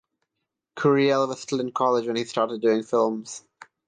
Curiel was still in college when he started doing films.